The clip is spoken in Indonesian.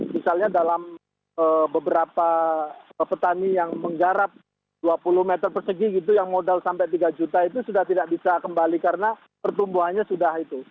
misalnya dalam beberapa petani yang menggarap dua puluh meter persegi gitu yang modal sampai tiga juta itu sudah tidak bisa kembali karena pertumbuhannya sudah itu